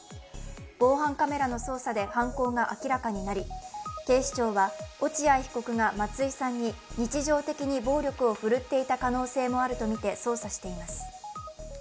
防犯カメラの捜査で犯行が明らかになり、警視庁は、落合被告が松井さんに日常的に暴力をふるっていた可能性もあると見て捜査しています。